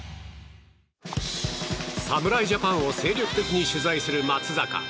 侍ジャパンを精力的に取材する松坂。